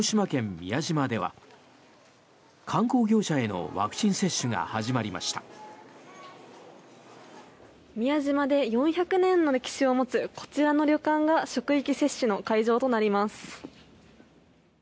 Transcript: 宮島で４００年の歴史を持つこちらの旅館が職域接種の会場となります。